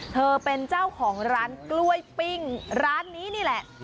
เธอเป็นเจ้าของร้านกล้วยปิ้งร้านนี้นี่แหละ